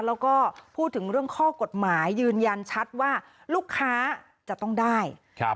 แล้วก็พูดถึงเรื่องข้อกฎหมายยืนยันชัดว่าลูกค้าจะต้องได้ครับ